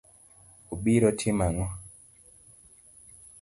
Obiro timo nang'o?